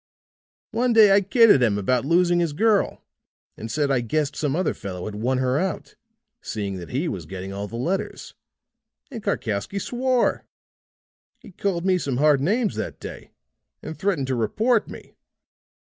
One day I kidded him about losing his girl and said I guessed some other fellow had won her out, seeing that he was getting all the letters, and Karkowsky swore. He called me some hard names that day and threatened to report me.